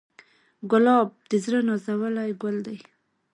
ګلاب د زړه نازولی ګل دی.